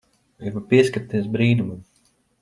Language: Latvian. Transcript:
Es gribu pieskarties brīnumam.